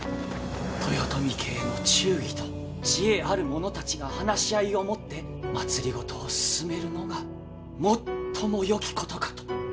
豊臣家への忠義と知恵ある者たちが話し合いをもって政を進めるのが最もよきことかと。